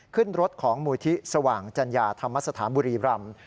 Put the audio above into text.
ขึ้นรถของมูลที่สว่างจัญญาธรรมสถานบุรีรำ